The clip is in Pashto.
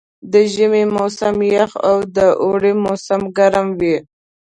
د ژمي موسم یخ او د اوړي موسم ګرم وي.